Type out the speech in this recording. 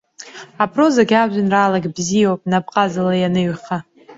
Апрозагь ажәеинраалагь бзиоуп напҟазала ианыҩха.